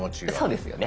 そうですよね。